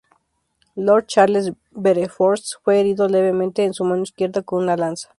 Lord Charles Beresford fue herido levemente en su mano izquierda con una lanza.